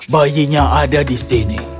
bayinya ada di sini